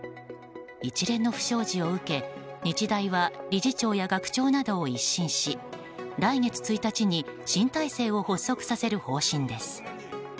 一連の不祥事を受け、日大は理事長や学長などを一新し来月１日に新体制を発足させる方針です。